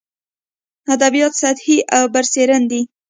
ادبیات سطحي او برسېرن دي.